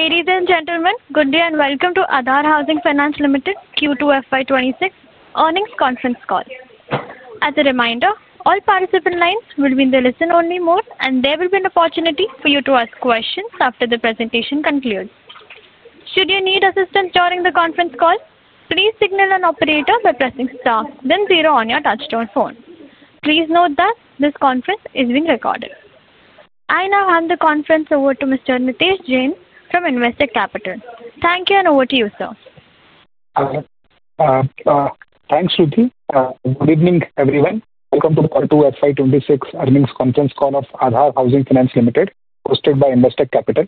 Ladies and gentlemen, good day and welcome to Aadhar Housing Finance Limited Q2FY2026 earnings conference call. As a reminder, all participant lines will be in the listen-only mode, and there will be an opportunity for you to ask questions after the presentation concludes. Should you need assistance during the conference call, please signal an operator by pressing star, then zero on your touchstone phone. Please note that this conference is being recorded. I now hand the conference over to Mr. Nidhesh Jain from Investech Capital. Thank you, and over to you, sir. Thanks, Shruti. Good evening, everyone. Welcome to the Q2FY2026 earnings conference Call of Aadhar Housing Finance Limited, hosted by Investech Capital.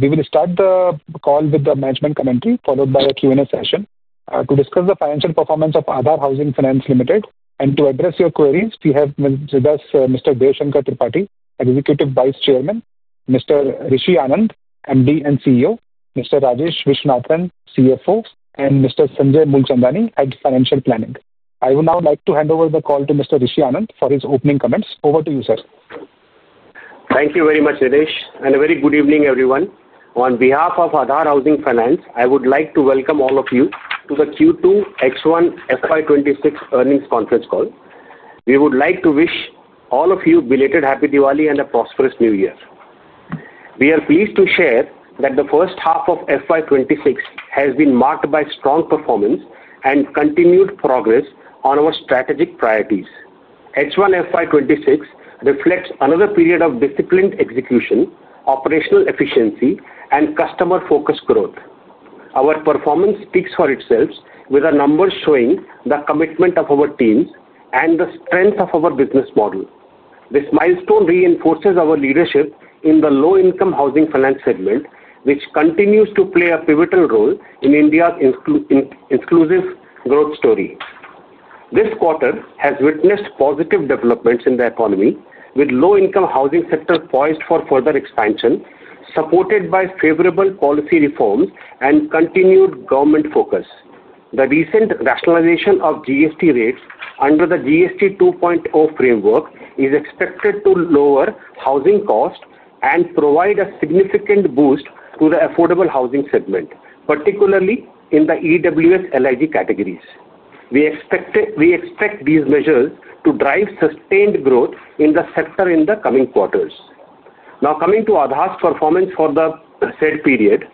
We will start the call with the management commentary, followed by a Q&A session to discuss the financial performance of Aadhar Housing Finance Limited. To address your queries, we have with us Mr. Deo Shankar Tripathi, Executive Vice Chairman, Mr. Rishi Anand, MD and CEO, Mr. Rajesh Viswanathan, CFO, and Mr. Sanjay Moolchandani, Head of Financial Planning. I would now like to hand over the call to Mr. Rishi Anand for his opening comments. Over to you, sir. Thank you very much, Nidhesh, and a very good evening, everyone. On behalf of Aadhar Housing Finance, I would like to welcome all of you to the Q2X1 FY2026 earnings conference call. We would like to wish all of you a belated Happy Diwali and a prosperous New Year. We are pleased to share that the first half of FY2026 has been marked by strong performance and continued progress on our strategic priorities. H1 FY2026 reflects another period of disciplined execution, operational efficiency, and customer-focused growth. Our performance speaks for itself, with our numbers showing the commitment of our teams and the strength of our business model. This milestone reinforces our leadership in the low-income housing finance segment, which continues to play a pivotal role in India's exclusive growth story. This quarter has witnessed positive developments in the economy, with low-income housing sector poised for further expansion, supported by favorable policy reforms and continued government focus. The recent rationalization of GST rates under the GST 2.0 framework is expected to lower housing costs and provide a significant boost to the affordable housing segment, particularly in the EWS/LIG categories. We expect these measures to drive sustained growth in the sector in the coming quarters. Now, coming to Aadhar's performance for the said period,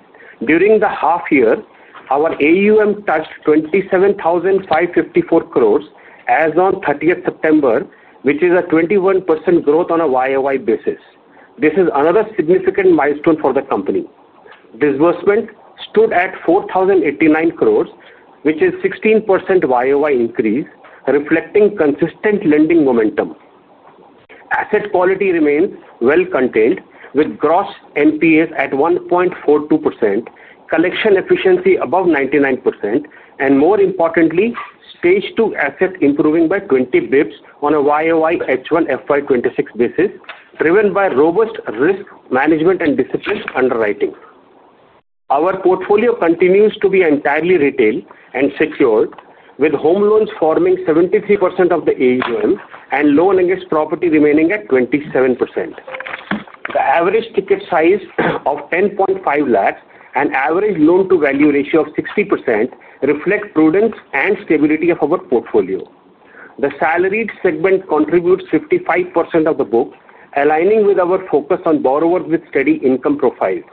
during the half year, our AUM touched 27,554 crore as of 30th September, which is a 21% growth on a Y-O-Y basis. This is another significant milestone for the company. Disbursement stood at 4,089 crore, which is a 16% Y-O-Y increase, reflecting consistent lending momentum. Asset quality remains well-contained, with gross NPA at 1.42%, collection efficiency above 99%, and more importantly, stage two asset improving by 20 basis points on a year-over-year H1 2026 basis, driven by robust risk management and disciplined underwriting. Our portfolio continues to be entirely retail and secured, with home loans forming 73% of the AUM and loan against property remaining at 27%. The average ticket size of 1.05 million and average loan-to-value ratio of 60% reflect prudence and stability of our portfolio. The salaried segment contributes 55% of the book, aligning with our focus on borrowers with steady income profiles.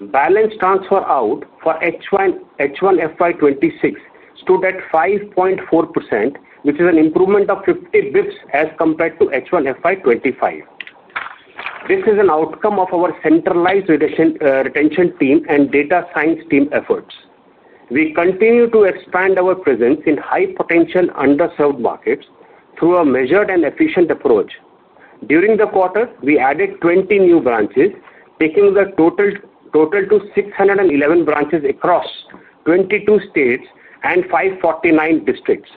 Balance transfer out for H1 2026 stood at 5.4%, which is an improvement of 50 basis points as compared to H1 2025. This is an outcome of our centralized retention team and data science team efforts. We continue to expand our presence in high-potential underserved markets through a measured and efficient approach. During the quarter, we added 20 new branches, taking the total to 611 branches across 22 states and 549 districts,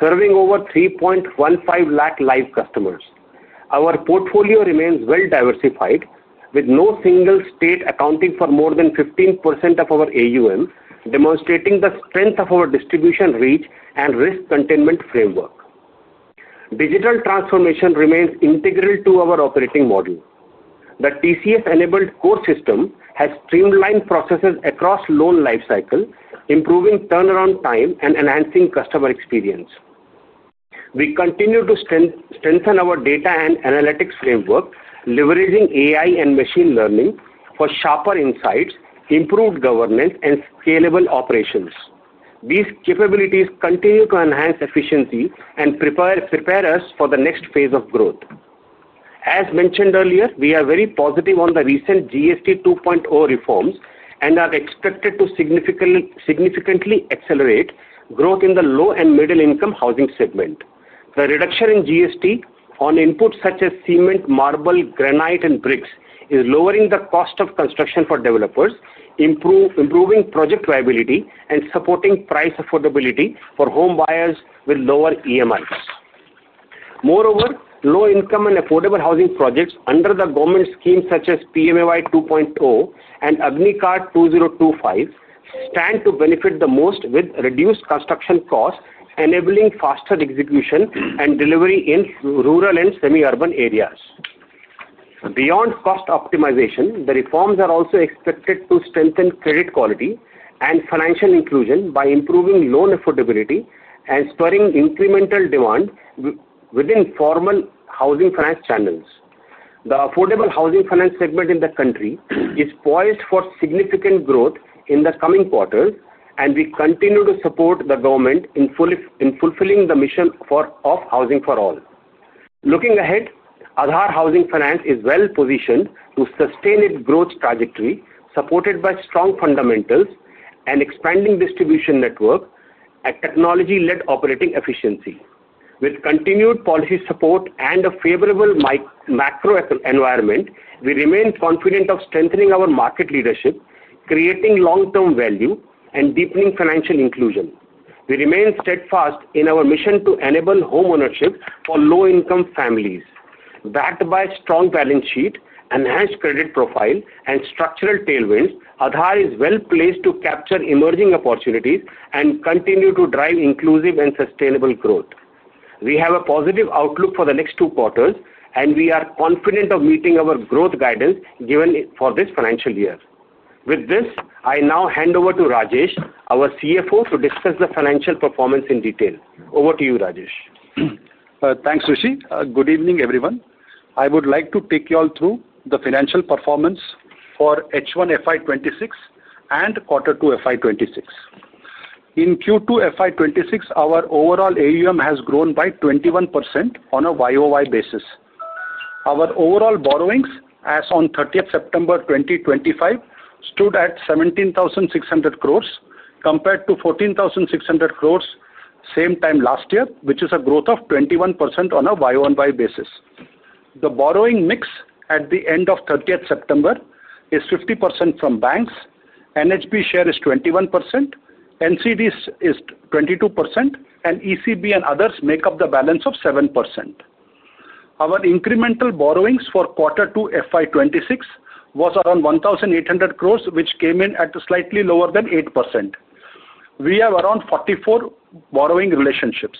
serving over 315,000 live customers. Our portfolio remains well-diversified, with no single state accounting for more than 15% of our AUM, demonstrating the strength of our distribution reach and risk containment framework. Digital transformation remains integral to our operating model. The TCF-enabled core system has streamlined processes across the loan lifecycle, improving turnaround time and enhancing customer experience. We continue to strengthen our data and analytics framework, leveraging AI and machine learning for sharper insights, improved governance, and scalable operations. These capabilities continue to enhance efficiency and prepare us for the next phase of growth. As mentioned earlier, we are very positive on the recent GST 2.0 reforms and are expected to significantly accelerate growth in the low and middle-income housing segment. The reduction in GST on inputs such as cement, marble, granite, and bricks is lowering the cost of construction for developers, improving project viability, and supporting price affordability for home buyers with lower EMIs. Moreover, low-income and affordable housing projects under the government schemes such as PMAY 2.0 and AgniCARD 2025 stand to benefit the most, with reduced construction costs enabling faster execution and delivery in rural and semi-urban areas. Beyond cost optimization, the reforms are also expected to strengthen credit quality and financial inclusion by improving loan affordability and spurring incremental demand within formal housing finance channels. The affordable housing finance segment in the country is poised for significant growth in the coming quarters, and we continue to support the government in fulfilling the mission of Housing for All. Looking ahead, Aadhar Housing Finance is well-positioned to sustain its growth trajectory, supported by strong fundamentals and expanding distribution network, and technology-led operating efficiency. With continued policy support and a favorable macro environment, we remain confident of strengthening our market leadership, creating long-term value, and deepening financial inclusion. We remain steadfast in our mission to enable homeownership for low-income families. Backed by a strong balance sheet, enhanced credit profile, and structural tailwinds, Aadhar is well-placed to capture emerging opportunities and continue to drive inclusive and sustainable growth. We have a positive outlook for the next two quarters, and we are confident of meeting our growth guidance given for this financial year. With this, I now hand over to Rajesh, our CFO, to discuss the financial performance in detail. Over to you, Rajesh. Thanks, Rishi. Good evening, everyone. I would like to take you all through the financial performance for H1 FY2026 and Q2 FY2026. In Q2 FY2026, our overall AUM has grown by 21% on a Y-O-Y basis. Our overall borrowings, as of 30th September 2025, stood at 17,600 crore, compared to 14,600 crore same time last year, which is a growth of 21% on a Y-O-Y basis. The borrowing mix at the end of 30th September is 50% from banks, NHB share is 21%, NCD is 22%, and ECB and others make up the balance of 7%. Our incremental borrowings for Q2 FY2026 was around 1,800 crore, which came in at slightly lower than 8%. We have around 44 borrowing relationships.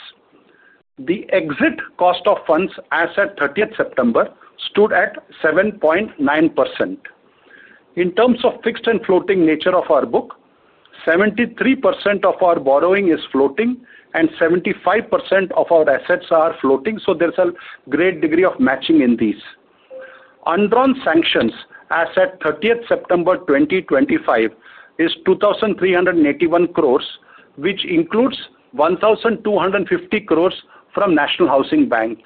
The exit cost of funds as at 30th September stood at 7.9%. In terms of fixed and floating nature of our book, 73% of our borrowing is floating and 75% of our assets are floating, so there's a great degree of matching in these. Undrawn sanctions as at 30 September 2025 is 2,381 crore, which includes 1,250 crore from National Housing Bank.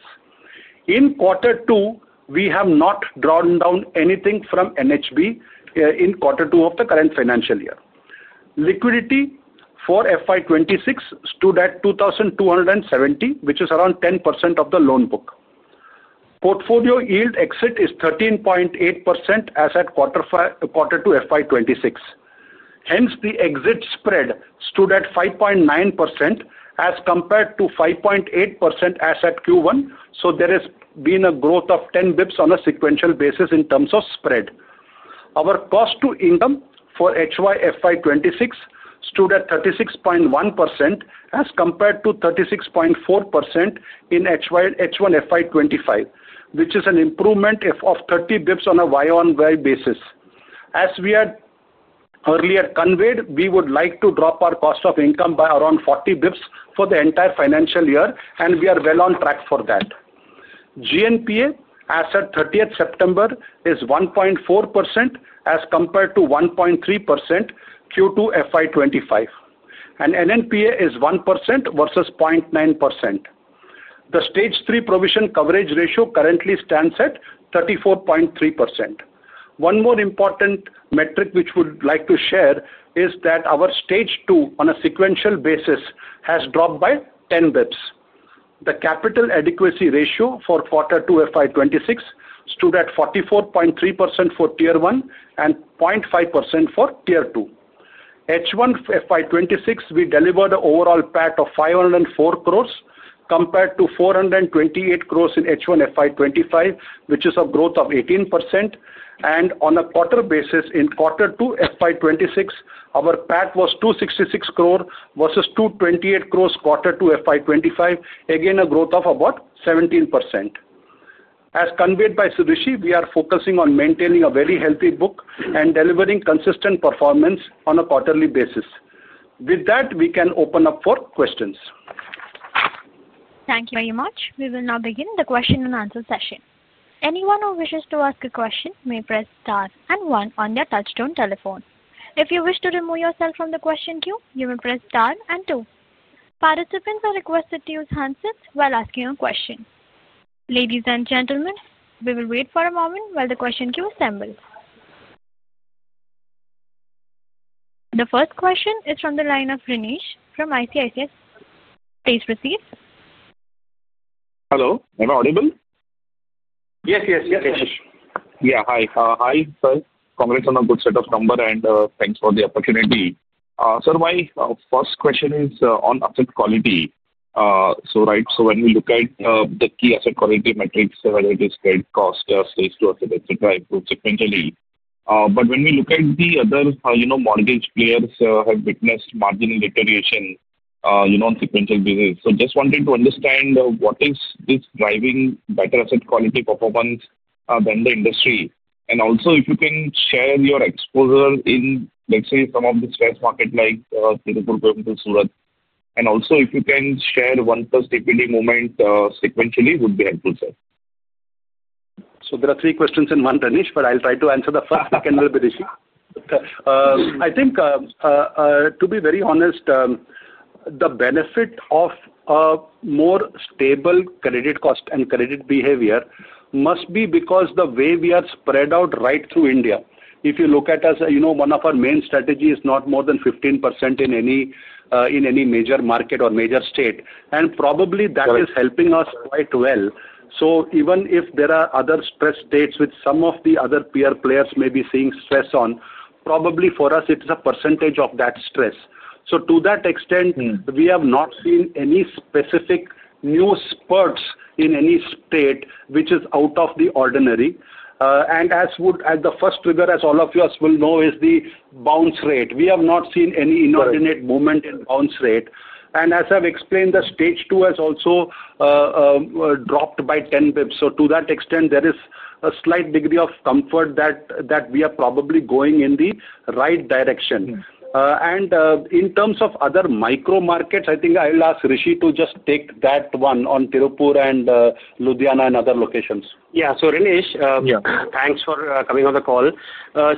In Q2, we have not drawn down anything from NHB in Q2 of the current financial year. Liquidity for FY2026 stood at 2,270 crore, which is around 10% of the loan book. Portfolio yield exit is 13.8% as at Q2 FY2026. Hence, the exit spread stood at 5.9% as compared to 5.8% as at Q1, so there has been a growth of 10 basis points on a sequential basis in terms of spread. Our cost to income for H1 FY2026 stood at 36.1% as compared to 36.4% in H1 FY2025, which is an improvement of 30 basis points on a year-over-year basis. As we had earlier conveyed, we would like to drop our cost of income by around 40 basis points for the entire financial year, and we are well on track for that. GNPA as at 30 September is 1.4% as compared to 1.3% Q2 2025, and NNPA is 1% versus 0.9%. The stage three provision coverage ratio currently stands at 34.3%. One more important metric which we would like to share is that our stage two on a sequential basis has dropped by 10 basis points. The capital adequacy ratio for Q2 2026 stood at 44.3% for tier one and 0.5% for tier two. H1 2026, we delivered an overall PAT of 504 crore compared to 428 crore in H1 2025, which is a growth of 18%. On a quarter basis, in Q2 in FY2026, our PAT was 266 crore versus 228 crore Q2 FY2025, again a growth of about 17%. As conveyed by Rishi, we are focusing on maintaining a very healthy book and delivering consistent performance on a quarterly basis. With that, we can open up for questions. Thank you very much. We will now begin the question-and-answer session. Anyone who wishes to ask a question may press star and one on their touchstone telephone. If you wish to remove yourself from the question queue, you may press star and two. Participants are requested to use handsets while asking a question. Ladies and gentlemen, we will wait for a moment while the question queue assembles. The first question is from the line of Rinesh from ICICI Securities. Please proceed. Hello. Am I audible? Yes Rinesh. Yeah, hi. Hi, sir. Congrats on a good set of numbers, and thanks for the opportunity. Sir, my first question is on asset quality. Right, so when we look at the key asset quality metrics, whether it is credit cost, stage two, etc., improved sequentially. When we look at the other mortgage players, have witnessed margin deterioration on sequential basis. Just wanted to understand what is driving better asset quality performance than the industry? Also, if you can share your exposure in, let's say, some of the shares market like Tirupur, Behmutal, Surat. Also, if you can share OnePlus DPD movement sequentially, would be helpful, sir. There are three questions in one, Rinesh, but I'll try to answer the first, second, and a little bit issue. I think, to be very honest, the benefit of a more stable credit cost and credit behavior must be because the way we are spread out right through India. If you look at us, one of our main strategies is not more than 15% in any major market or major state. Probably that is helping us quite well. Even if there are other stress states which some of the other peer players may be seeing stress on, probably for us, it is a percentage of that stress. To that extent, we have not seen any specific new spurts in any state which is out of the ordinary. As the first trigger, as all of you will know, is the bounce rate. We have not seen any inordinate movement in bounce rate. As I have explained, the stage two has also dropped by 10 basis points. To that extent, there is a slight degree of comfort that we are probably going in the right direction. In terms of other micro markets, I think I will ask Rishi to just take that one on Tirupur and Ludhiana and other locations. Yeah. So Rinesh, thanks for coming on the call.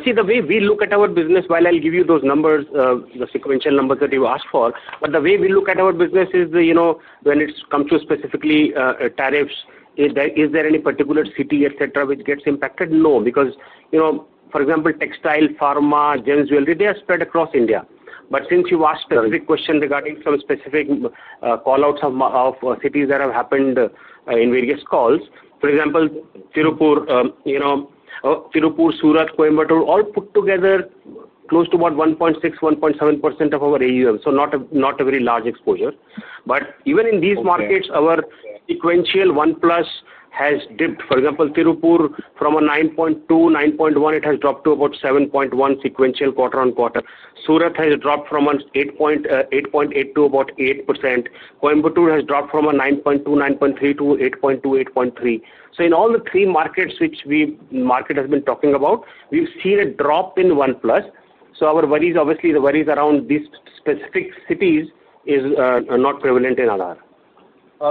See, the way we look at our business, while I'll give you those numbers, the sequential numbers that you asked for, but the way we look at our business is when it comes to specifically tariffs, is there any particular city, etc., which gets impacted? No, because, for example, textile, pharma, gems, jewelry, they are spread across India. But since you asked a specific question regarding some specific callouts of cities that have happened in various calls, for example, Tirupur, Surat, Coimbatore, all put together close to about 1.6%-1.7% of our AUM. So not a very large exposure. But even in these markets, our sequential OnePlus has dipped. For example, Tirupur from a 9.2%, 9.1%, it has dropped to about 7.1% sequential quarter-on-quarter. Surat has dropped from 8.8% to about 8%. Coimbatore has dropped from 9.2%, 9.3%-8.2%, 8.3%. In all the three markets which we have been talking about, we've seen a drop in OnePlus. Our worries, obviously, the worries around these specific cities are not prevalent in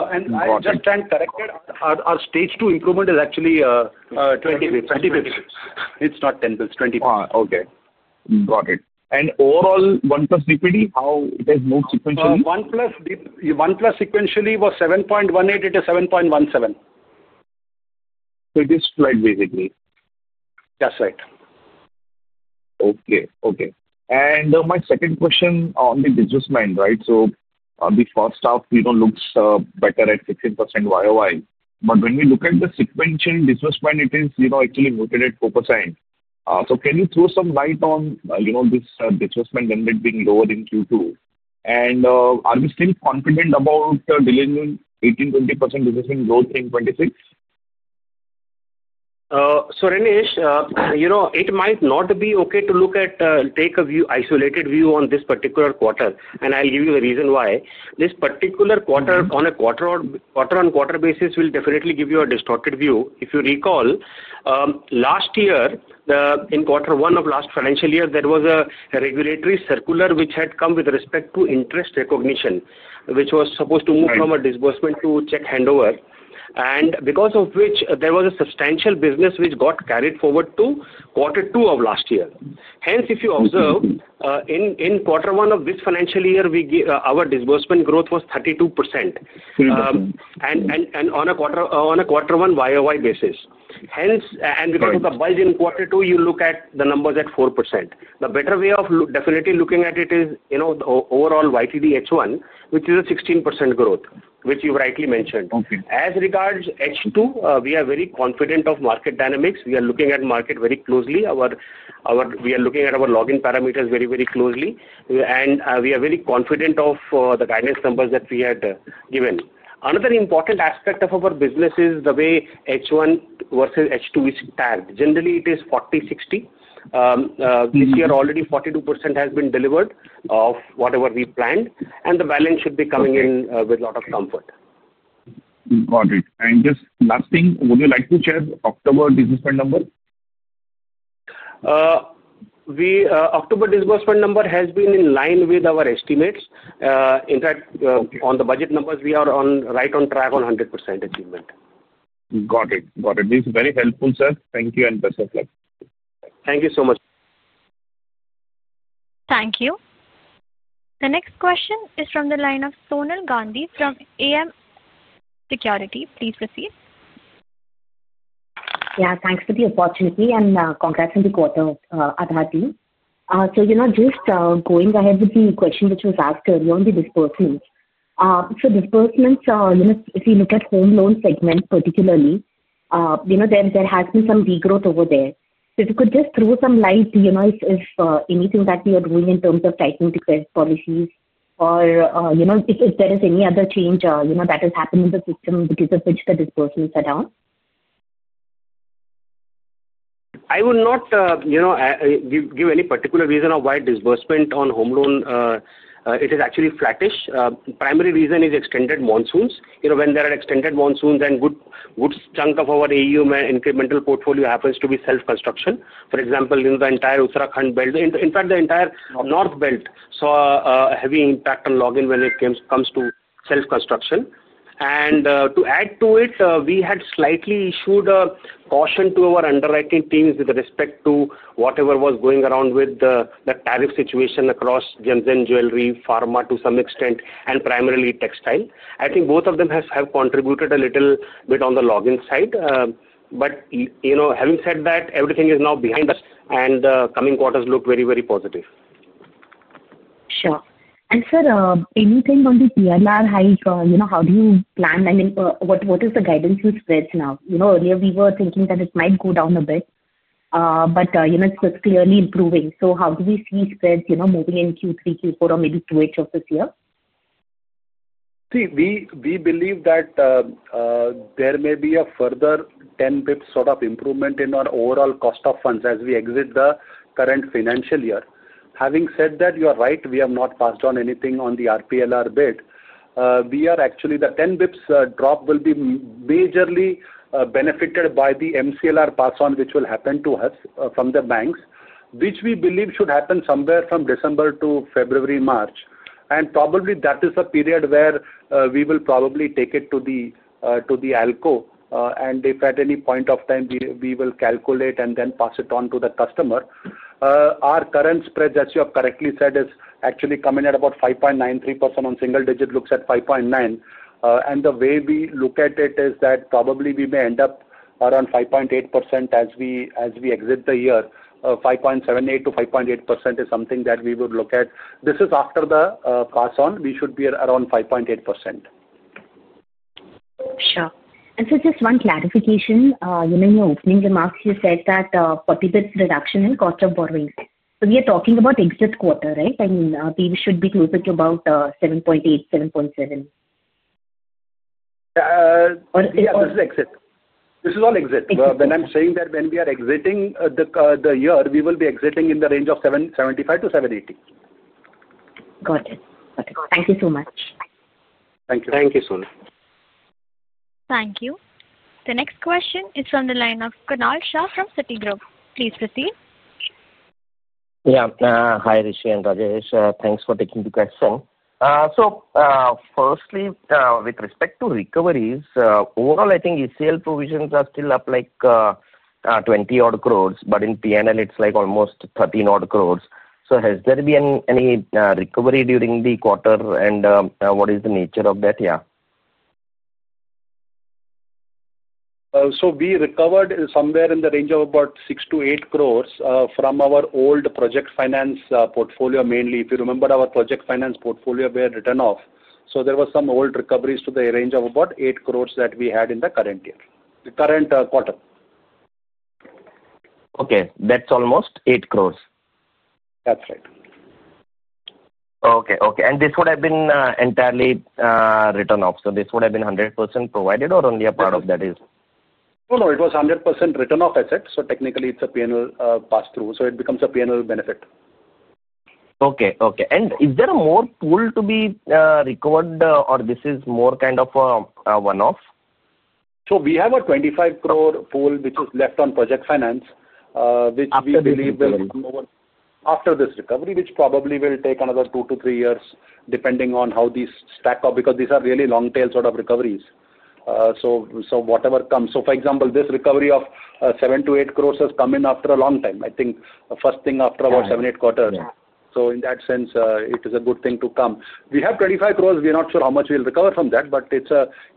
Aadhar. I just try and correct it. Our stage two improvement is actually 20 basis points. It's not 10 basis points, 20 basis points. Okay. Got it. Overall, OnePlus DPD, how has it moved sequentially? OnePlus sequentially was 7.18. It is 7.17. It is slight basically. That's right. Okay, okay. My second question on the business mind, right? Before stuff, we do not look better at 15% Y-O-Y. When we look at the sequential business mind, it is actually noted at 4%. Can you throw some light on this business mind and it being lowered in Q2? Are we still confident about delivering 18%-20% business growth in 2026? Rinesh, it might not be okay to look at, take a view, isolated view on this particular quarter. I'll give you the reason why. This particular quarter, on a quarter-on-quarter basis, will definitely give you a distorted view. If you recall, last year, in quarter one of last financial year, there was a regulatory circular which had come with respect to interest recognition, which was supposed to move from a disbursement to check handover, and because of which there was a substantial business which got carried forward to quarter two of last year. Hence, if you observe, in quarter one of this financial year, our disbursement growth was 32% on a quarter one Y-O-Y basis. Because of the bulge in quarter two, you look at the numbers at 4%. The better way of definitely looking at it is overall year-to-date H1, which is a 16% growth, which you rightly mentioned. As regards H2, we are very confident of market dynamics. We are looking at market very closely. We are looking at our login parameters very, very closely. We are very confident of the guidance numbers that we had given. Another important aspect of our business is the way H1 versus H2 is tagged. Generally, it is 40-60. This year, already 42% has been delivered of whatever we planned, and the balance should be coming in with a lot of comfort. Got it. Just last thing, would you like to share October disbursement number? October disbursement number has been in line with our estimates. In fact, on the budget numbers, we are right on track on 100% achievement. Got it. Got it. This is very helpful, sir. Thank you and best of luck. Thank you so much. Thank you. The next question is from the line of Sonal Gandhi from AM Securities. Please proceed. Yeah, thanks for the opportunity and congrats on the quarter of Aadhar team. Just going ahead with the question which was asked earlier on the disbursements. Disbursements, if you look at home loan segment particularly, there has been some regrowth over there. If you could just throw some light, if anything that we are doing in terms of tightening the credit policies or if there is any other change that has happened in the system because of which the disbursement set out. I will not give any particular reason of why disbursement on home loan, it is actually flattish. Primary reason is extended monsoons. When there are extended monsoons and a good chunk of our AUM incremental portfolio happens to be self-construction, for example, in the entire Uttarakhand belt, in fact, the entire north belt saw a heavy impact on login when it comes to self-construction. To add to it, we had slightly issued a caution to our underwriting teams with respect to whatever was going around with the tariff situation across gems, jewelry, pharma to some extent, and primarily textile. I think both of them have contributed a little bit on the login side. Having said that, everything is now behind us, and coming quarters look very, very positive. Sure. And sir, anything on the P&R hike? How do you plan? I mean, what is the guidance with spreads now? Earlier, we were thinking that it might go down a bit, but it's clearly improving. So how do we see spreads moving in Q3, Q4, or maybe QH of this year? See, we believe that there may be a further 10 basis points sort of improvement in our overall cost of funds as we exit the current financial year. Having said that, you are right, we have not passed on anything on the RPLR bit. We are actually, the 10 basis points drop will be majorly benefited by the MCLR pass-on, which will happen to us from the banks, which we believe should happen somewhere from December to February, March. Probably that is a period where we will probably take it to the ALCO. If at any point of time, we will calculate and then pass it on to the customer. Our current spread, as you have correctly said, is actually coming at about 5.93% on single digit, looks at 5.9. The way we look at it is that probably we may end up around 5.8% as we exit the year. 5.78-5.8% is something that we would look at. This is after the pass-on. We should be around 5.8%. Sure. Sir, just one clarification. In your opening remarks, you said that 40 basis points reduction in cost of borrowing. We are talking about exit quarter, right? I mean, we should be closer to about 7.8, 7.7. Yeah, this is exit. This is all exit. When I'm saying that when we are exiting the year, we will be exiting in the range of 75-780. Got it. Got it. Thank you so much. Thank you. Thank you, Sonal. Thank you. The next question is from the line of Kunal Shah from Citi. Please proceed. Yeah. Hi, Rishi and Rajesh. Thanks for taking the question. Firstly, with respect to recoveries, overall, I think ECL provisions are still up like 20-odd crores, but in P&L, it is like almost 13-odd crores. Has there been any recovery during the quarter, and what is the nature of that year? We recovered somewhere in the range of 6-8 crore from our old project finance portfolio mainly. If you remember, our project finance portfolio, we had written off. There were some old recoveries to the range of about 8 crore that we had in the current year, the current quarter. Okay. That's almost 8 crore. That's right. Okay, okay. This would have been entirely written off. This would have been 100% provided or only a part of that is? No, no. It was 100% written off asset. So technically, it's a P&L pass-through. So it becomes a P&L benefit. Okay, okay. Is there a more pool to be recovered, or this is more kind of a one-off? We have an 25 crore pool which is left on project finance, which we believe will come over after this recovery, which probably will take another two to three years depending on how these stack up because these are really long-tail sort of recoveries. Whatever comes. For example, this recovery of 7 crore-8 crore has come in after a long time, I think, first thing after about seven, eight quarters. In that sense, it is a good thing to come. We have 25 crores. We are not sure how much we will recover from that, but it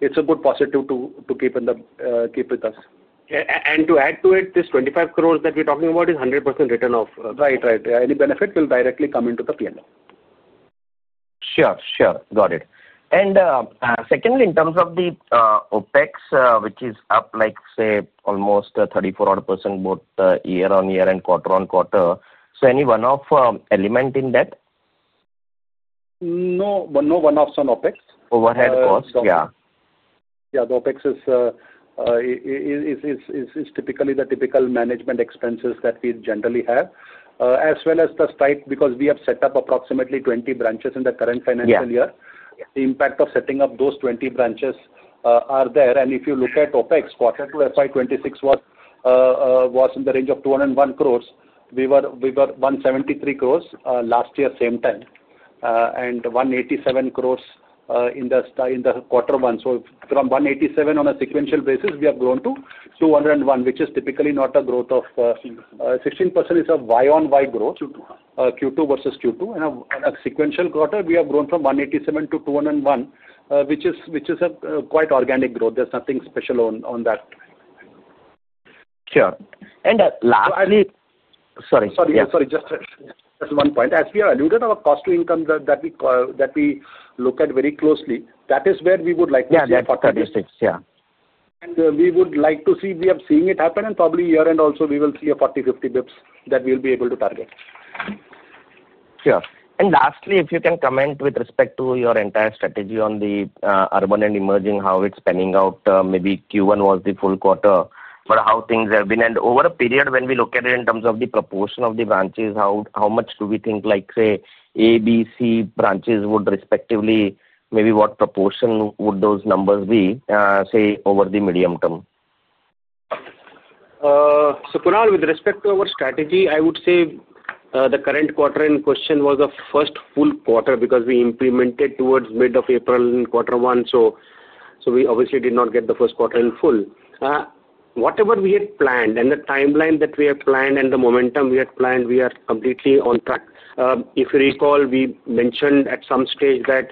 is a good positive to keep with us. To add to it, this 25 crores that we are talking about is 100% written off. Right, right. Any benefit will directly come into the P&L. Sure, sure. Got it. Secondly, in terms of the OPEX, which is up like, say, almost 34% both year-on-year and quarter-on-quarter, is there any one-off element in that? No one-offs on OPEX. Overhead costs, yeah. Yeah. The OPEX is typically the typical management expenses that we generally have, as well as the spike because we have set up approximately 20 branches in the current financial year. The impact of setting up those 20 branches is there. If you look at OPEX, quarter two FY 2026 was in the range of 201 crores. We were 173 crores last year, same time, and 187 crores in quarter one. From 187 on a sequential basis, we have grown to 201, which is typically not a growth of 16%. It is a year-on-year growth, Q2 versus Q2. On a sequential quarter, we have grown from 187-201, which is a quite organic growth. There is nothing special on that. Sure. Lastly. So actually. Sorry. Sorry, yeah, sorry. Just one point. As we alluded to, our cost to income that we look at very closely, that is where we would like to see a 40 basis points. Yeah, 40 basis points, yeah. We would like to see, we are seeing it happen, and probably year-end also, we will see a 40-50 basis points that we'll be able to target. Sure. Lastly, if you can comment with respect to your entire strategy on the urban and emerging, how it's spanning out, maybe Q1 was the full quarter, but how things have been. Over a period, when we look at it in terms of the proportion of the branches, how much do we think, like, say, A, B, C branches would respectively, maybe what proportion would those numbers be, say, over the medium term? Kunal, with respect to our strategy, I would say the current quarter in question was a first full quarter because we implemented towards mid of April in quarter one. We obviously did not get the first quarter in full. Whatever we had planned and the timeline that we had planned and the momentum we had planned, we are completely on track. If you recall, we mentioned at some stage that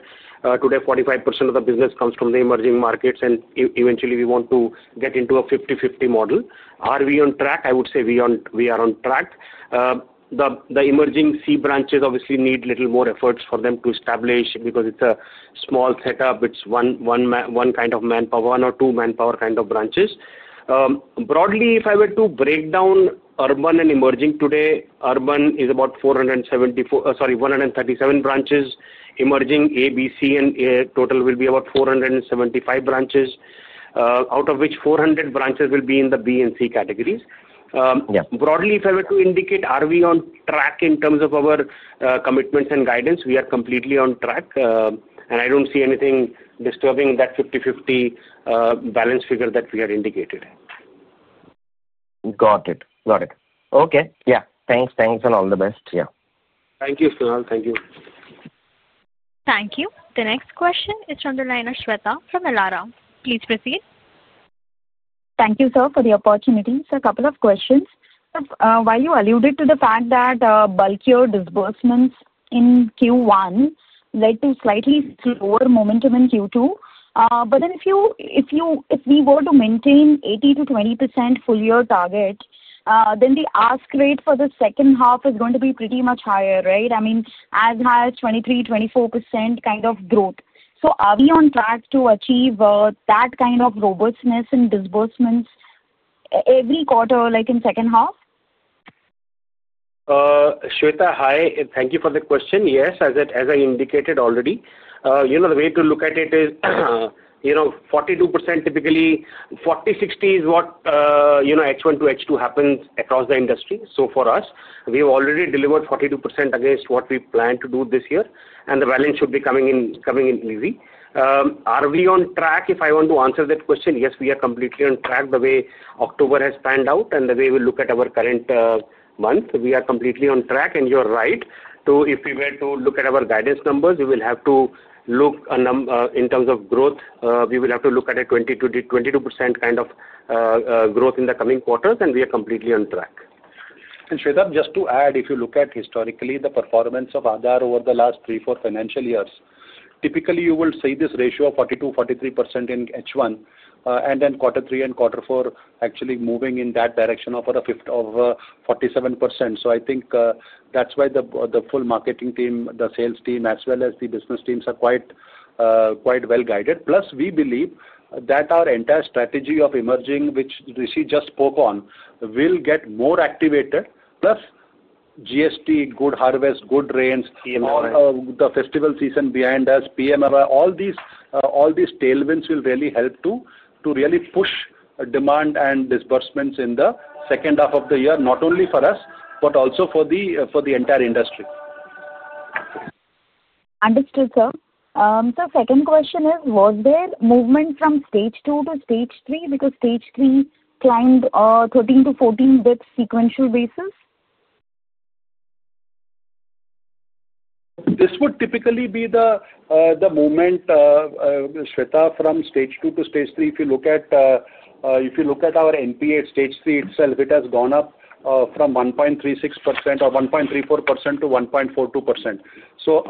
today, 45% of the business comes from the emerging markets, and eventually, we want to get into a 50/50 model. Are we on track? I would say we are on track. The emerging C branches obviously need a little more efforts for them to establish because it's a small setup. It's one kind of manpower, one or two manpower kind of branches. Broadly, if I were to break down urban and emerging today, urban is about 137 branches. Emerging, A, B, C, and total will be about 475 branches, out of which 400 branches will be in the B and C categories. Broadly, if I were to indicate, are we on track in terms of our commitments and guidance? We are completely on track, and I do not see anything disturbing that 50/50 balance figure that we had indicated. Got it. Got it. Okay. Yeah. Thanks. Thanks and all the best. Yeah. Thank you, Sonal. Thank you. Thank you. The next question is from the line of Shwetha from Aadhar. Please proceed. Thank you, sir, for the opportunity. Sir, a couple of questions. While you alluded to the fact that bulkier disbursements in Q1 led to slightly slower momentum in Q2, if we were to maintain 80%-20% full-year target, the ask rate for the second half is going to be pretty much higher, right? I mean, as high as 23%-24% kind of growth. Are we on track to achieve that kind of robustness in disbursements every quarter, like in second half? Shwetha, hi. Thank you for the question. Yes, as I indicated already. The way to look at it is 42% typically. 40/60 is what H1 to H2 happens across the industry. For us, we have already delivered 42% against what we planned to do this year, and the balance should be coming in easy. Are we on track? If I want to answer that question, yes, we are completely on track the way October has panned out and the way we look at our current month. We are completely on track, and you are right. If we were to look at our guidance numbers, we will have to look in terms of growth. We will have to look at a 22% kind of growth in the coming quarters, and we are completely on track. Shwetha, just to add, if you look at historically the performance of Aadhar over the last three, four financial years, typically you will see this ratio of 42%-43% in H1, and then quarter three and quarter four actually moving in that direction of 47%. I think that's why the full marketing team, the sales team, as well as the business teams are quite well-guided. Plus, we believe that our entire strategy of emerging, which Rishi just spoke on, will get more activated. Plus, GST, good harvest, good rains, the festival season behind us, PM, all these tailwinds will really help to really push demand and disbursements in the second half of the year, not only for us, but also for the entire industry. Understood, sir. Second question is, was there movement from stage two to stage three because stage three climbed 13-14 basis points sequential basis? This would typically be the movement, Shwetha, from stage two to stage three. If you look at our NPA at stage three itself, it has gone up from 1.36% or 1.34%-1.42%. So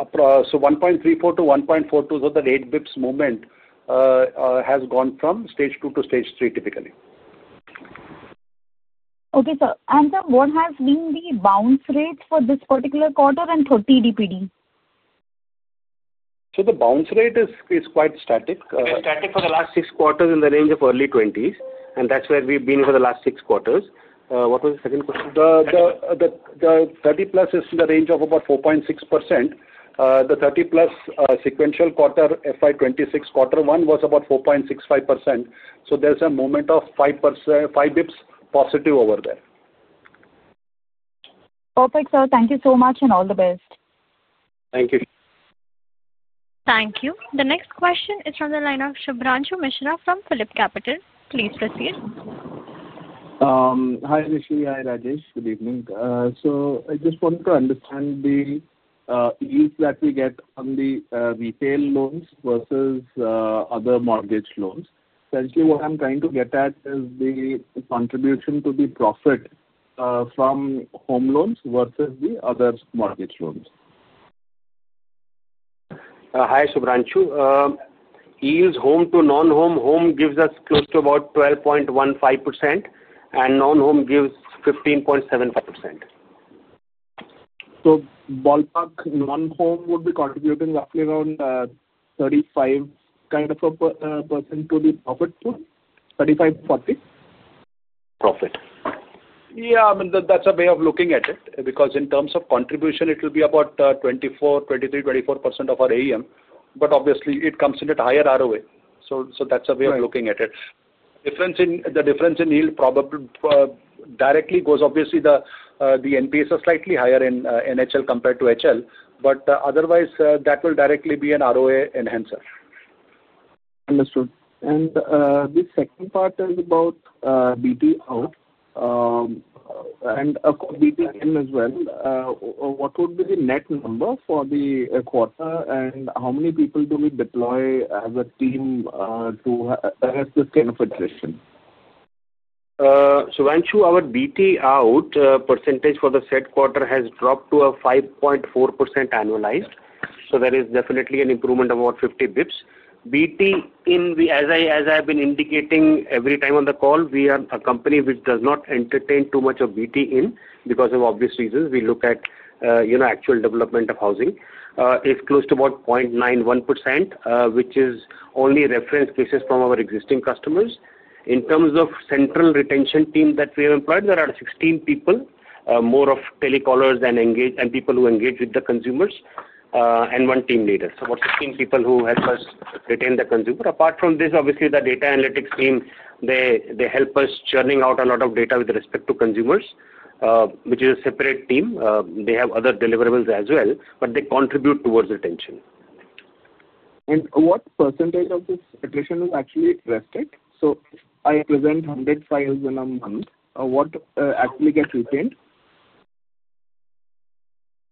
1.34%-1.42%, so the 8 basis points movement has gone from stage two to stage three typically. Okay. Sir, what has been the bounce rate for this particular quarter and 30 DPD? The bounce rate is quite static. It is static for the last six quarters in the range of early 20s, and that is where we have been for the last six quarters. What was the second question? The 30+ is in the range of about 4.6%. The 30+ sequential quarter, fiscal year 2026, quarter one was about 4.65%. There is a movement of 5 basis points positive over there. Perfect, sir. Thank you so much and all the best. Thank you. Thank you. The next question is from the line of Shubhranshu Mishra from PhillipCapital. Please proceed. Hi, Rishi. Hi, Rajesh. Good evening. I just wanted to understand the ease that we get on the retail loans versus other mortgage loans. Essentially, what I'm trying to get at is the contribution to the profit from home loans versus the other mortgage loans. Hi, Shubhranshu. Ease home to non-home, home gives us close to about 12.15%, and non-home gives 15.75%. Ballpark non-home would be contributing roughly around 35% kind of a percent to the profit pool, 35%-40% profit. Yeah, I mean, that's a way of looking at it because in terms of contribution, it will be about 23%-24% of our AUM, but obviously, it comes in at higher ROA. That's a way of looking at it. The difference in yield probably directly goes, obviously, the NPA is slightly higher in LAP compared to HL, but otherwise, that will directly be an ROA enhancer. Understood. The second part is about BT out and BT in as well. What would be the net number for the quarter, and how many people do we deploy as a team to address this kind of iteration? Shubhranshu, our BT out percentage for the third quarter has dropped to 5.4% annualized. There is definitely an improvement of about 50 basis points. BT in, as I have been indicating every time on the call, we are a company which does not entertain too much of BT in because of obvious reasons. We look at actual development of housing. It is close to 0.91%, which is only reference basis from our existing customers. In terms of central retention team that we have employed, there are 16 people, more of telecallers and people who engage with the consumers and one team leader. About 16 people help us retain the consumer. Apart from this, obviously, the data analytics team, they help us churning out a lot of data with respect to consumers, which is a separate team. They have other deliverables as well, but they contribute towards retention. What percentage of this iteration is actually restrict? I present 100 files in a month. What actually gets retained?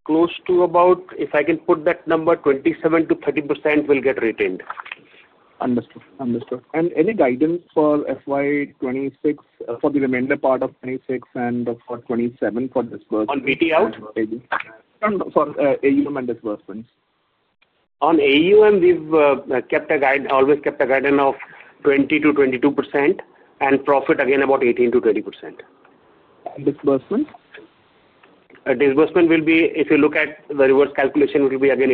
Close to about, if I can put that number, 27%-30% will get retained. Understood. Understood. Any guidance for FY2026, for the remainder part of 2026 and for 2027 for disbursements? On BT out? Sorry, AUM and disbursements. On AUM, we've always kept a guidance of 20%-22% and profit again about 18%-20%. And disbursement? Disbursement will be, if you look at the reverse calculation, it will be again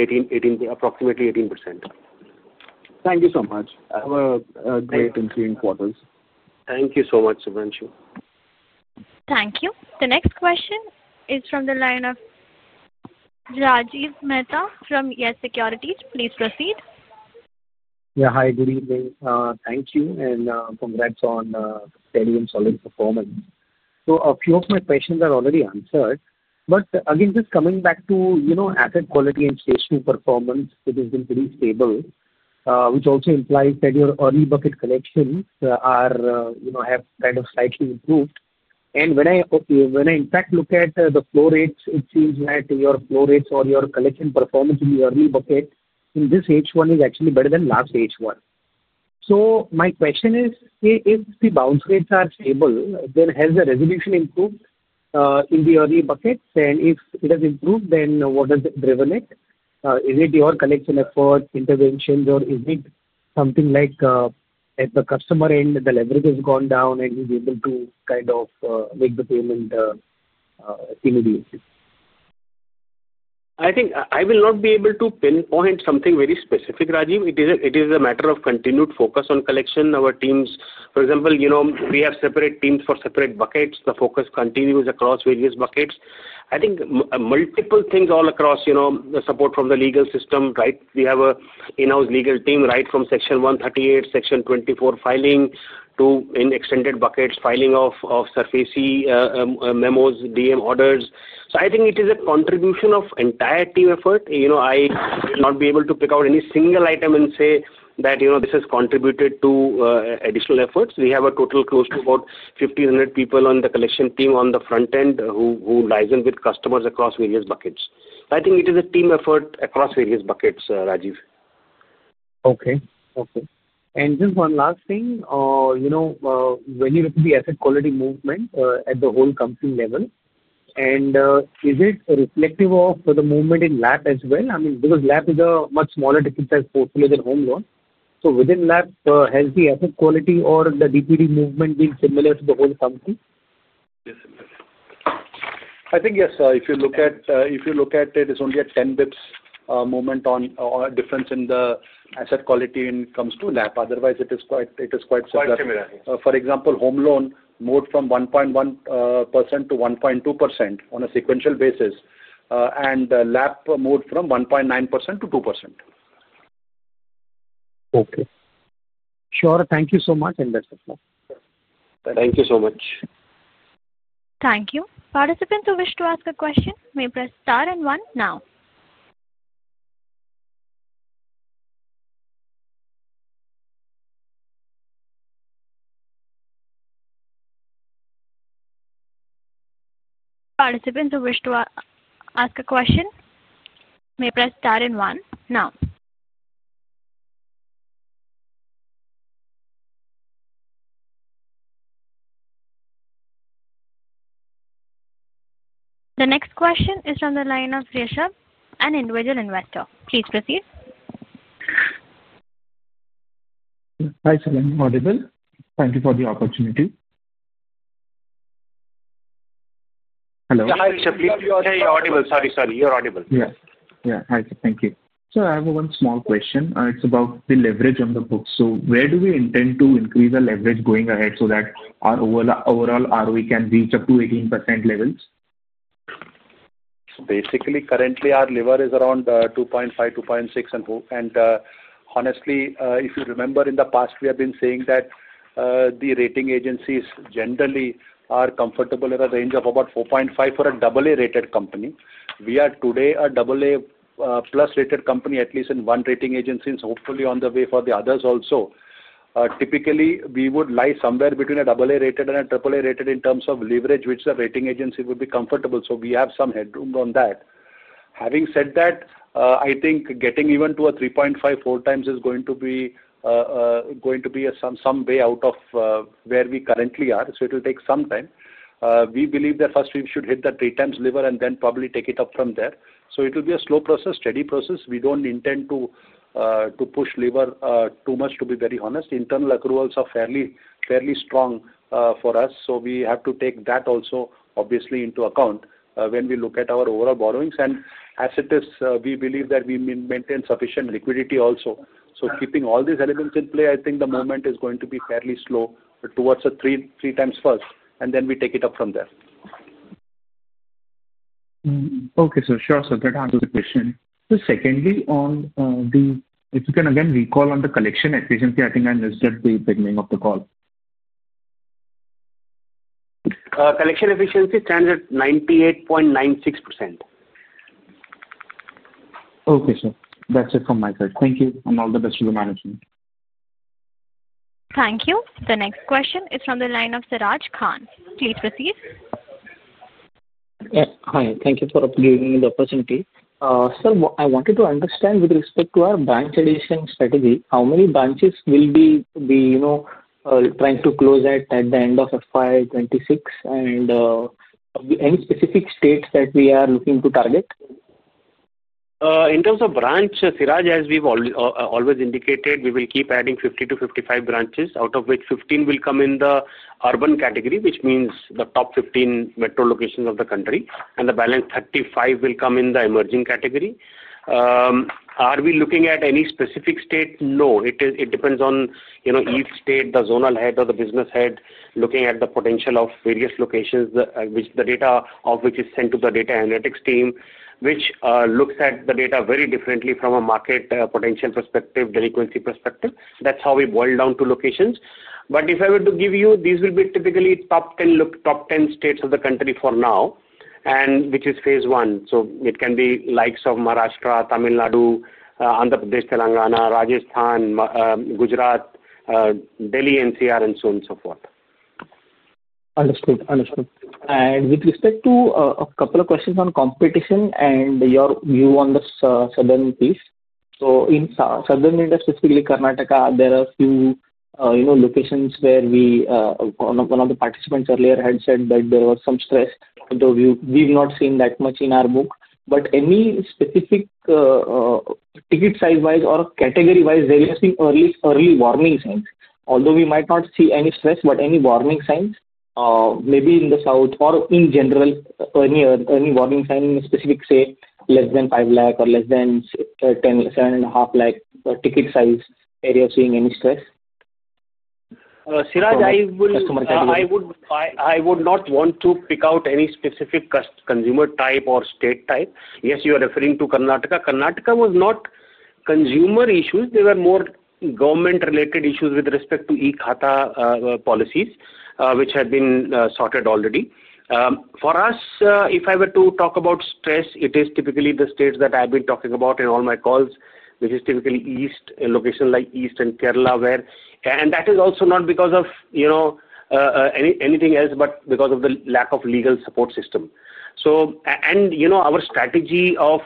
approximately 18%. Thank you so much. Have a great and sweet quarter. Thank you so much, Shubhranshu. Thank you. The next question is from the line of Rajiv Mehta from YES Securities. Please proceed. Yeah. Hi, good evening. Thank you and congrats on steady and solid performance. A few of my questions are already answered, but again, just coming back to asset quality and stage two performance, which has been pretty stable, which also implies that your early bucket collections have kind of slightly improved. When I, in fact, look at the flow rates, it seems that your flow rates or your collection performance in the early bucket in this H1 is actually better than last H1. My question is, if the bounce rates are stable, then has the resolution improved in the early buckets? If it has improved, what has driven it? Is it your collection effort, interventions, or is it something like at the customer end, the leverage has gone down, and he's able to kind of make the payment immediately? I think I will not be able to pinpoint something very specific, Rajiv. It is a matter of continued focus on collection. Our teams, for example, we have separate teams for separate buckets. The focus continues across various buckets. I think multiple things all across, support from the legal system, right? We have an in-house legal team, right, from Section 138, Section 24 filing to extended buckets, filing of SARFAESI memos, DM orders. I think it is a contribution of entire team effort. I will not be able to pick out any single item and say that this has contributed to additional efforts. We have a total close to about 1,500 people on the collection team on the front end who liaise with customers across various buckets. I think it is a team effort across various buckets, Rajiv. Okay. Okay. Just one last thing. When you look at the asset quality movement at the whole company level, is it reflective of the movement in LAP as well? I mean, because LAP is a much smaller ticket size portfolio than home loans. Within LAP, has the asset quality or the DPD movement been similar to the whole company? Yes, it is. I think yes, sir. If you look at it, it is only a 10 basis points moment difference in the asset quality when it comes to LAP. Otherwise, it is quite similar. Quite similar. For example, home loan moved from 1.1%-1.2% on a sequential basis, and LAP moved from 1.9%-2%. Okay. Sure. Thank you so much, and that's it, sir. Thank you so much. Thank you. Participants who wish to ask a question may press star and one now. The next question is from the line of Rishabh, an individual investor. Please proceed. Hi, Sir. Am I audible? Thank you for the opportunity. Hello. Hi, Rishabh. You are audible. Sorry, you are audible. Yes. Yeah. Hi, sir. Thank you. Sir, I have one small question. It's about the leverage on the books. So where do we intend to increase the leverage going ahead so that our overall ROE can reach up to 18% levels? Basically, currently, our lever is around 2.5-2.6. Honestly, if you remember, in the past, we have been saying that the rating agencies generally are comfortable at a range of about 4.5 for a AA rated company. We are today a AA Plus rated company, at least in one rating agency, and hopefully on the way for the others also. Typically, we would lie somewhere between a AA rated and a AAA rated in terms of leverage, which the rating agency would be comfortable. We have some headroom on that. Having said that, I think getting even to a 3.5x-4x is going to be some way out of where we currently are. It will take some time. We believe that first we should hit the 3x lever and then probably take it up from there. It will be a slow process, steady process. We do not intend to push lever too much, to be very honest. Internal accruals are fairly strong for us, so we have to take that also, obviously, into account when we look at our overall borrowings. As it is, we believe that we maintain sufficient liquidity also. Keeping all these elements in play, I think the movement is going to be fairly slow towards a 3x first, and then we take it up from there. Okay. Sure, sir. Third, answer to the question. Secondly, if you can again recall on the collection efficiency, I think I missed it at the beginning of the call. Collection efficiency stands at 98.96%. Okay, sir. That's it from my side. Thank you, and all the best to the management. Thank you. The next question is from the line of Suraj Khan. Please proceed. Hi. Thank you for giving me the opportunity. Sir, I wanted to understand with respect to our branch addition strategy, how many branches will we be trying to close at the end of FY2026, and any specific states that we are looking to target? In terms of branch, Suraj, as we've always indicated, we will keep adding 50-55 branches, out of which 15 will come in the urban category, which means the top 15 metro locations of the country, and the balance 35 will come in the emerging category. Are we looking at any specific state? No. It depends on each state, the zonal head, or the business head looking at the potential of various locations, which the data of which is sent to the data analytics team, which looks at the data very differently from a market potential perspective, delinquency perspective. That is how we boil down to locations. If I were to give you, these will be typically top 10 states of the country for now, which is phase I. It can be likes of Maharashtra, Tamil Nadu, Andhra Pradesh, Telangana, Rajasthan, Gujarat, Delhi NCR, and so on and so forth. Understood. Understood. With respect to a couple of questions on competition and your view on the southern piece, in southern India, specifically Karnataka, there are a few locations where one of the participants earlier had said that there was some stress, although we have not seen that much in our book. Any specific ticket size-wise or category-wise, there have been early warning signs. Although we might not see any stress, any warning signs, maybe in the south or in general, any warning sign in specific, say, less than 500,000 or less than 750,000 ticket size, are you seeing any stress? Suraj, I would not want to pick out any specific consumer type or state type. Yes, you are referring to Karnataka. Karnataka was not consumer issues. They were more government-related issues with respect to e-Khata policies, which have been sorted already. For us, if I were to talk about stress, it is typically the states that I've been talking about in all my calls, which is typically east, a location like east and Kerala, where and that is also not because of anything else, but because of the lack of legal support system. Our strategy of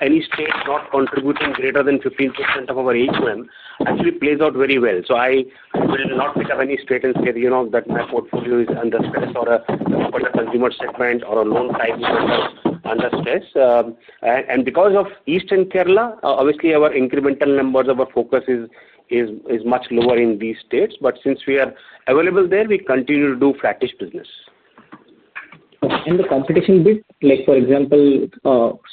any state not contributing greater than 15% of our AUM actually plays out very well. I will not pick up any state and say that my portfolio is under stress or a consumer segment or a loan type under stress. Because of east and Kerala, obviously, our incremental numbers, our focus is much lower in these states. Since we are available there, we continue to do flattish business. The competition bit, for example,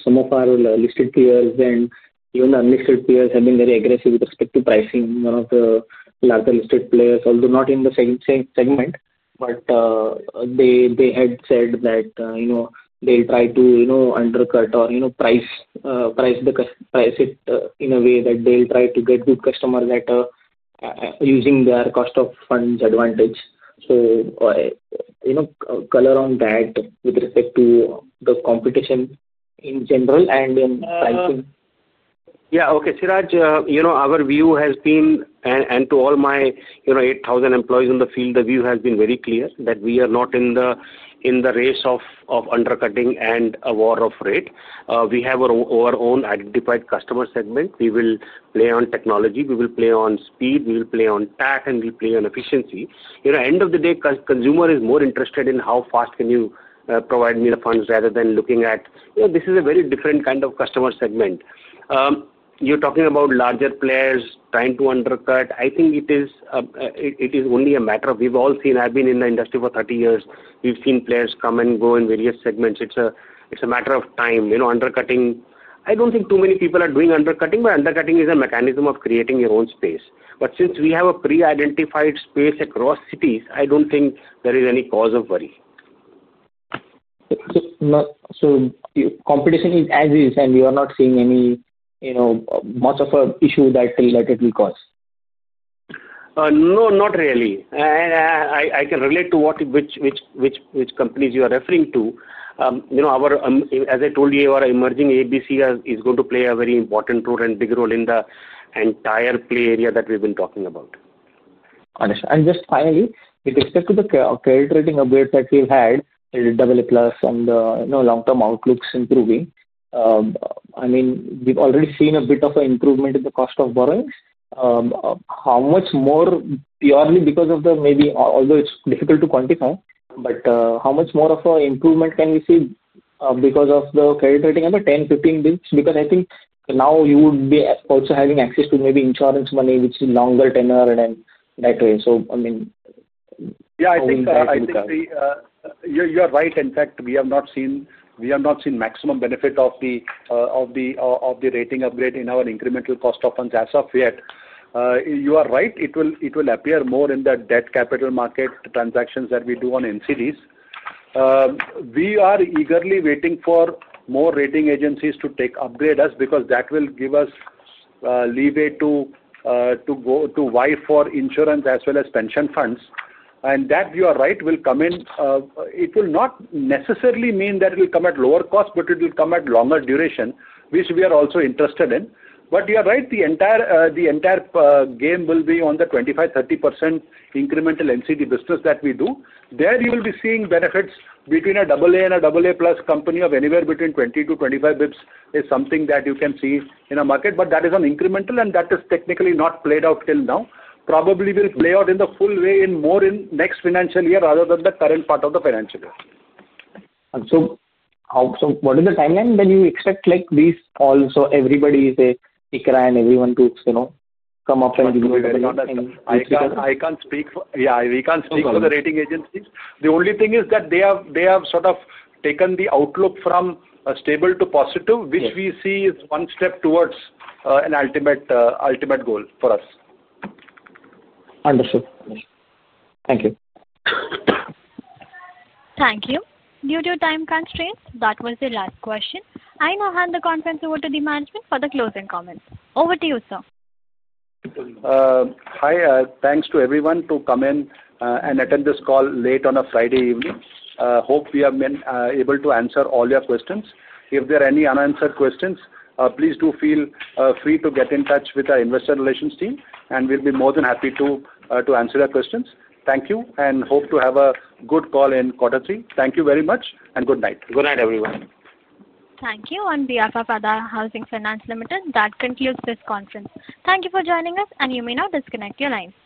some of our listed players and even unlisted players have been very aggressive with respect to pricing. One of the larger listed players, although not in the same segment, but they had said that they'll try to undercut or price it in a way that they'll try to get good customers that are using their cost of funds advantage. Color on that with respect to the competition in general and in pricing. Yeah. Okay. Suraj, our view has been, and to all my 8,000 employees in the field, the view has been very clear that we are not in the race of undercutting and a war of rate. We have our own identified customer segment. We will play on technology. We will play on speed. We will play on tax, and we will play on efficiency. End of the day, consumer is more interested in how fast can you provide me the funds rather than looking at this is a very different kind of customer segment. You are talking about larger players trying to undercut. I think it is only a matter of, we have all seen, I have been in the industry for 30 years. We have seen players come and go in various segments. It is a matter of time undercutting. I don't think too many people are doing undercutting, but undercutting is a mechanism of creating your own space. Since we have a pre-identified space across cities, I don't think there is any cause of worry. Competition is as is, and you are not seeing much of an issue that it will cause? No, not really. I can relate to which companies you are referring to. As I told you, our emerging ABC is going to play a very important role and big role in the entire play area that we've been talking about. Understood. And just finally, with respect to the credit rating upgrades that we've had, AAA Plus and the long-term outlook's improving, I mean, we've already seen a bit of an improvement in the cost of borrowing. How much more, purely because of the maybe although it's difficult to quantify, but how much more of an improvement can we see because of the credit rating and the 10-15 basis points? Because I think now you would be also having access to maybe insurance money, which is longer tenor and that way. So, I mean, how much more? Yeah. I think you are right. In fact, we have not seen maximum benefit of the rating upgrade in our incremental cost of funds as of yet. You are right. It will appear more in the debt capital market transactions that we do on NCDs. We are eagerly waiting for more rating agencies to upgrade us because that will give us leeway to vie for insurance as well as pension funds. You are right, that will come in. It will not necessarily mean that it will come at lower cost, but it will come at longer duration, which we are also interested in. You are right. The entire game will be on the 25-30% incremental NCD business that we do. There you will be seeing benefits between a AA and a AAA Plus company of anywhere between 20-25 basis points is something that you can see in a market. That is an incremental, and that is technically not played out till now. Probably will play out in the full way more in next financial year rather than the current part of the financial year. What is the timeline when you expect these, also everybody, IKRA and everyone, to come up and do it? I can't speak. Yeah. We can't speak for the rating agencies. The only thing is that they have sort of taken the outlook from stable to positive, which we see is one step towards an ultimate goal for us. Understood. Thank you. Thank you. Due to time constraints, that was the last question. I now hand the conference over to the management for the closing comments. Over to you, sir. Hi. Thanks to everyone to come in and attend this call late on a Friday evening. Hope we have been able to answer all your questions. If there are any unanswered questions, please do feel free to get in touch with our investor relations team, and we will be more than happy to answer your questions. Thank you, and hope to have a good call in quarter three. Thank you very much, and good night. Good night, everyone. Thank you. On behalf of Aadhar Housing Finance Limited, that concludes this conference. Thank you for joining us, and you may now disconnect your lines.